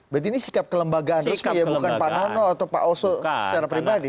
berarti ini sikap kelembagaan resmi ya bukan pak nono atau pak oso secara pribadi